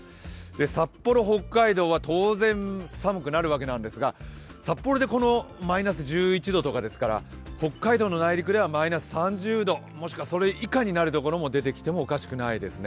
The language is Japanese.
札幌、北海道は当然、寒くなるわけですが札幌でマイナス１１度とかですから北海道の内陸ではマイナス３０度、もしくはそれ以下になる所も出てきてもおかしくないですね。